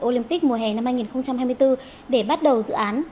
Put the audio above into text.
olympic mùa hè năm hai nghìn hai mươi bốn để bắt đầu dự án